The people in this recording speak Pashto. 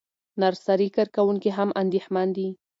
نرسري کارکوونکي هم اندېښمن دي.